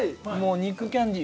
肉キャンディー？